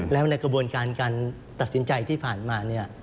แล้วในกระบวนการการตัดสินใจที่ผ่านมาเนี่ย